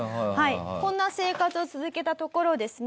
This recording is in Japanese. こんな生活を続けたところですね